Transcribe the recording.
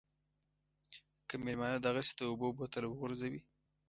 که مېلمانه دغسې د اوبو بوتل وغورځوي.